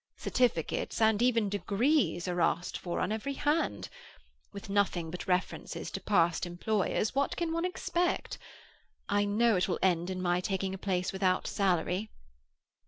Certificates, and even degrees, are asked for on every hand. With nothing but references to past employers, what can one expect? I know it will end in my taking a place without salary."